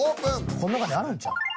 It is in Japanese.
この中にあるんちゃうん。